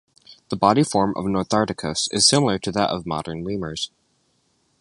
The body form of "Notharctus" is similar to that of modern lemurs.